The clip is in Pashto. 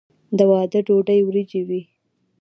د واده ډوډۍ وریجې وي.